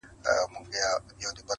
هر څوک د پېښې معنا بېله بېله اخلي